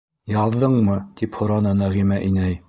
Яҙҙыңмы? - тип һораны Нәғимә инәй.